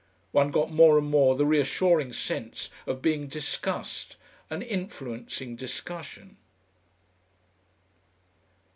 One got more and more the reassuring sense of being discussed, and influencing discussion.